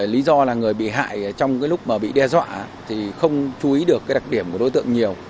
lý do là người bị hại trong cái lúc mà bị đe dọa thì không chú ý được cái đặc điểm của đối tượng nhiều